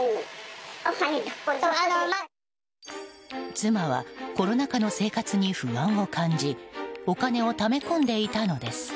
妻はコロナ禍の生活に不安を感じお金をため込んでいたのです。